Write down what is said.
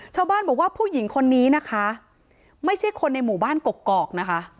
ชาวบ้านบอกว่าผู้หญิงคนนี้นะคะไม่ใช่คนในหมู่บ้านกกอกนะคะ